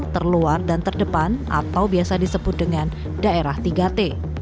terluar dan terdepan atau biasa disebut dengan daerah tiga t